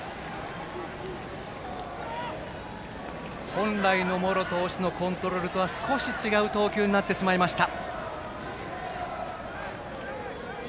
本来の茂呂投手のコントロールとは少し違う投球になってしまいました。